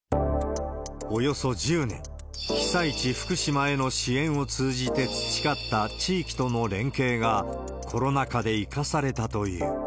およそ１０年、被災地、福島への支援を通じて培った地域との連携が、コロナ禍で生かされたという。